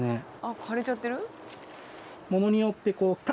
枯れちゃってる？